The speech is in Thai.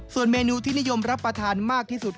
ส่วนเมนูที่นิยมรับประทานมากที่สุด